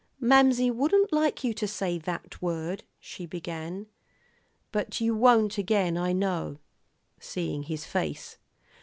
"Mamsie wouldn't like you to say that word," she began. "But you won't again, I know," seeing his face.